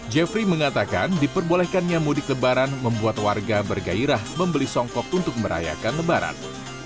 jeffrey mengatakan diperbolehkannya mudik lebaran membuat warga bergairah membeli songkok untuk merayakan lebaran